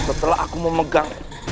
setelah aku memegang